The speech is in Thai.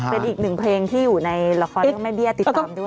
เป็นอีกหนึ่งเพลงที่อยู่ในละครเรื่องแม่เบี้ยติดตามด้วย